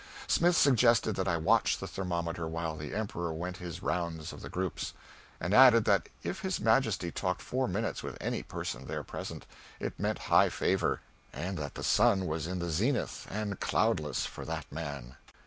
Smith suggested that I watch the thermometer while the Emperor went his rounds of the groups; and added that if his Majesty talked four minutes with any person there present, it meant high favor, and that the sun was in the zenith, and cloudless, for that man.